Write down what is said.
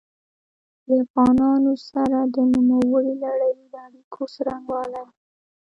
د افغانانو سره د نوموړي لړیو د اړیکو څرنګوالي.